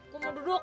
gue mau duduk